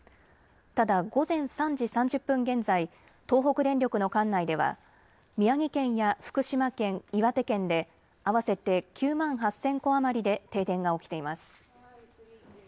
ただ午前３時３０分現在東北電力の管内では宮城県や福島県、岩手県で合わせて９万８０００戸余りで停電が起きています。